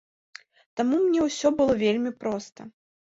Таму мне ўсё было вельмі проста.